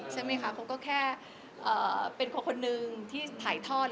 เค้าก็แค่เป็นคนหนึ่งที่ถ่ายท่อน